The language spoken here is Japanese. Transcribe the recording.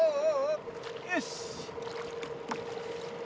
よし！